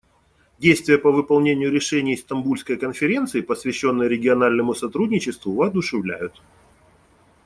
Действия по выполнению решений Стамбульской конференции, посвященной региональному сотрудничеству, воодушевляют.